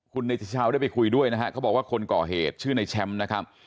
คุณเนธิชาวได้ไปคุยด้วยนะฮะเขาบอกว่าคนก่อเหตุชื่อในแชมป์นะครับ